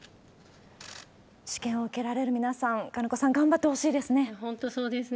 試験を受けられる皆さん、金子さん、本当そうですね。